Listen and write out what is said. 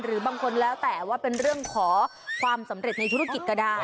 หรือบางคนแล้วแต่ว่าเป็นเรื่องขอความสำเร็จในธุรกิจก็ได้